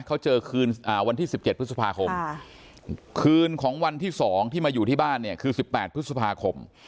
เขาเจอคืนอ่าวันที่สิบเจ็ดพฤษภาคมคืนของวันที่สองที่มาอยู่ที่บ้านเนี่ยคือสิบแปดพฤษภาคม